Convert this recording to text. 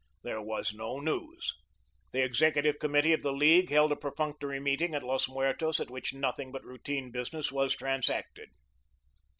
There was no news. The Executive Committee of the League held a perfunctory meeting at Los Muertos at which nothing but routine business was transacted.